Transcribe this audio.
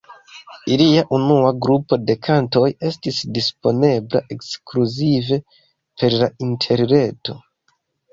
Ilia unua grupo de kantoj estis disponebla ekskluzive per la interreto.